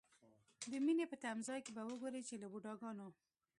د مینې په تمځای کې به وګورئ چې له بوډاګانو.